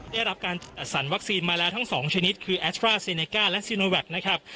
ได้รับการจัดสรรวัคซีนมาแล้วทั้งสองชนิดคือและนะครับ